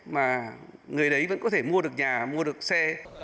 mà người đấy vẫn có thể mua được nhà mua được xe